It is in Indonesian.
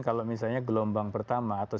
kalau misalnya gelombang pertama atau